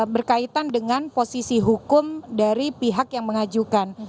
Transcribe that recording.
berkaitan dengan posisi hukum dari pihak yang mengajukan